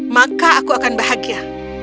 maka aku akan bahagia